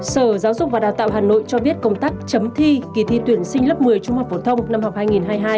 sở giáo dục và đào tạo hà nội cho biết công tác chấm thi kỳ thi tuyển sinh lớp một mươi trung học phổ thông năm học hai nghìn hai mươi hai hai nghìn hai mươi ba